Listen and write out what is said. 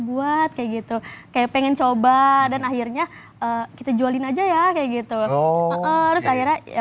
buat kayak gitu kayak pengen coba dan akhirnya kita jualin aja ya kayak gitu terus akhirnya